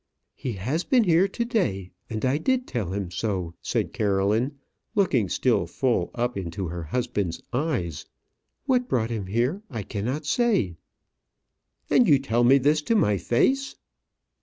"He has been here to day, and I did tell him so," said Caroline, looking still full up into her husband's eyes. "What brought him here I cannot say." "And you tell me this to my face?"